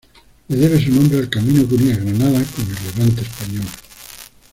Le debe su nombre al camino que unía Granada con el Levante español.